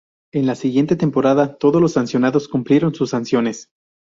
En la siguiente temporada todos los sancionados cumplieron sus sanciones.